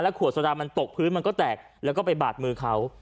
ขวดโซดามันตกพื้นมันก็แตกแล้วก็ไปบาดมือเขา